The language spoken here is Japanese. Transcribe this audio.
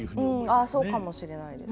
ああそうかもしれないです。